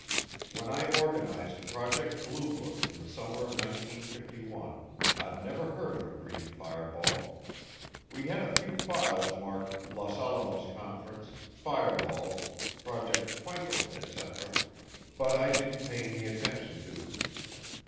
When I organized Project Blue Book in the summer of 1951 I'd never heard of a green fireball. We had a few files marked "Los Alamos Conference," "Fireballs," "Project Twinkle," etc., but I didn't pay any attention to them.